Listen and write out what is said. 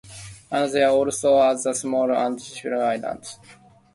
And there are also other smaller uninhabited islands.